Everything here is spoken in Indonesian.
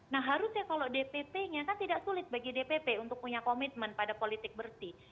nah harusnya kalau dpp nya kan tidak sulit bagi dpp untuk punya komitmen pada politik bersih